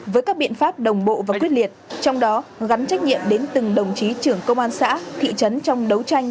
với các biện pháp đồng bộ và quyết liệt trong đó gắn trách nhiệm đến từng đồng chí trưởng công an xã thị trấn trong đấu tranh